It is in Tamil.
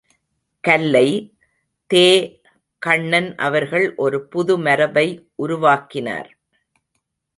கல்லை தே.கண்ணன் அவர்கள் ஒரு புது மரபை உருவாக்கினார்.